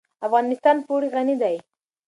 افغانستان په اوړي غني دی.